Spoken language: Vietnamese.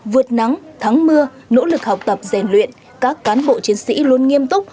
vượt nắng thắng mưa nỗ lực học tập rèn luyện các cán bộ chiến sĩ luôn nghiêm túc